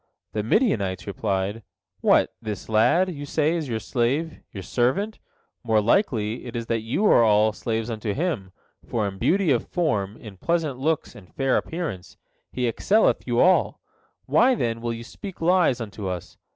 The Midianites replied: "What, this lad, you say, is your slave, your servant? More likely is it that you all are slaves unto him, for in beauty of form, in pleasant looks, and fair appearance, he excelleth you all. Why, then, will you speak lies unto us?